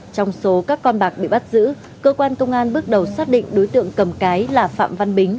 trong số các con bạc bị bắt giữ cơ quan công an bước đầu xác định đối tượng cầm cái là phạm văn bính